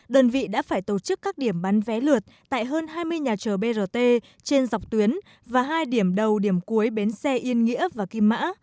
đơn vị đã phải tổ chức các điểm bán vé lượt tại hơn hai mươi nhà chờ brt trên dọc tuyến và hai điểm đầu điểm cuối bến xe yên nghĩa và kim mã